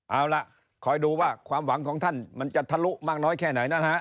เอาล่ะคอยดูว่าความหวังของท่านมันจะทะลุมากน้อยแค่ไหนนะฮะ